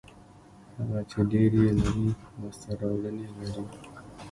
هغه چې ډېر یې لري لاسته راوړنې لري.